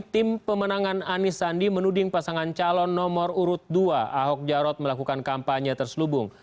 tim pemenangan anis sandi menuding pasangan calon nomor urut dua ahok jarot melakukan kampanye terselubung